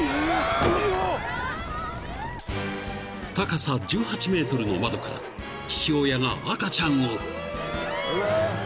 ［高さ１８ｍの窓から父親が赤ちゃんを］